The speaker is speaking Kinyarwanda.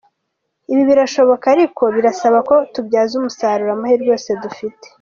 Ibi birashoboka ariko birasaba ko tubyaza umusaruro amahirwe yose dufite.